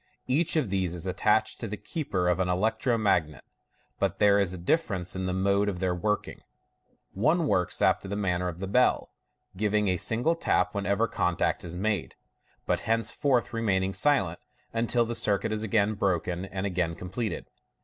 Each of these is attached to the keeper of an electro magnet, but there is a dilference in the mode of their working. One works after the man ner of the bell, giving a single tap whenever contact is made, but thenceforward remaining silent until the circuit is again broken and again completed.